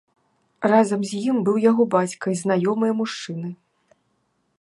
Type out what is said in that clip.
Разам з ім быў яго бацька і знаёмыя мужчыны.